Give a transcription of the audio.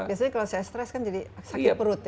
biasanya kalau saya stres kan jadi sakit perut ya